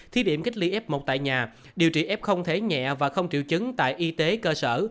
thí điểm cách ly f một tại nhà điều trị f thế nhẹ và không triệu chứng tại y tế cơ sở